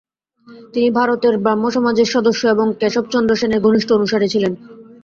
তিনি ভারতের ব্রাহ্মসমাজের সদস্য এবং কেশবচন্দ্র সেনের ঘনিষ্ঠ অনুসারী ছিলেন।